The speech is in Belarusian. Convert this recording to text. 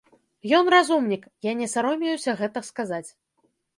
Ён разумнік, я не саромеюся гэта сказаць.